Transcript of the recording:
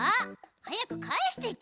はやくかえしてち。